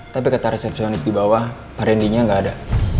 tapi kata resepsionis di bawah parendy nya gak ada